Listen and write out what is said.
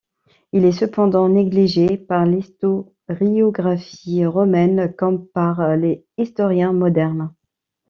Il est cependant négligé par l'historiographie romaine, comme par les historiens modernes.